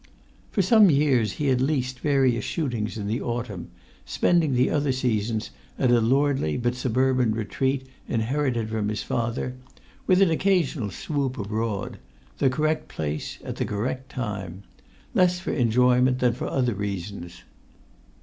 For some years he had leased various shootings in the autumn, spending the other seasons at a lordly but suburban retreat inherited from his father, with an occasional swoop abroad—the correct place at the correct time—less for enjoyment than for other reasons.